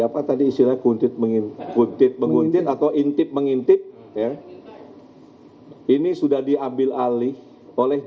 pasca penguntitan geldi station gifasuse terima kasih kepada bu